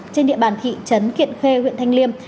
trên địa bàn thị trấn kiện khê huyện thanh liêm